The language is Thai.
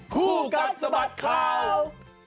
คู่กับสป๊อตคาว